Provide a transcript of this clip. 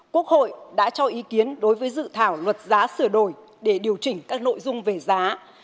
quốc hội đã cho ý kiến đối với dự thảo luật giá sửa đổi để điều chỉnh các nội dung về giá